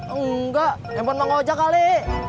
enggak handphone mak oja kali